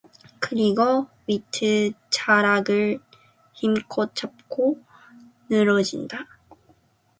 그리고 외투 자락을 힘껏 잡고 늘어진다.